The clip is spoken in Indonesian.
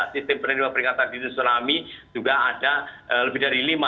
sistem penerima peringatan dini tsunami juga ada lebih dari lima